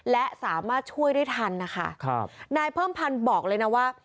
และสามารถช่วยได้ทันนะคะครับนายเพิ่มพันธ์บอกเลยนะว่า